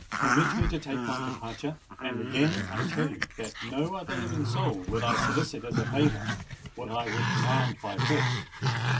Permit me to take my departure; and again I tell you that of no other living soul would I solicit as a favour what I would command by force."